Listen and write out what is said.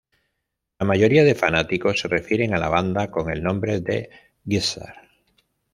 La mayoría de fanáticos se refieren a la banda con el nombre de Geezer.